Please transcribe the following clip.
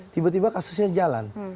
tiba tiba kasusnya jalan